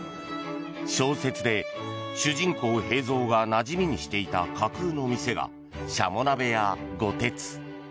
小説で主人公・平蔵がなじみにしていた架空の店が軍鶏なべ屋「五鉄」。